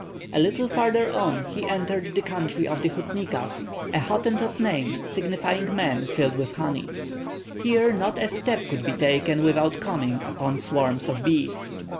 A little farther on he entered the country of the Houtniquas, a Hottentot name signifying men filled with honey. Here not a step could be taken without coming upon swarms of bees.